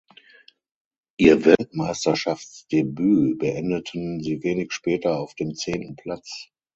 Ihr Weltmeisterschaftsdebüt beendeten sie wenig später auf dem zehnten Platz.